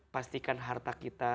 pastikan harta kita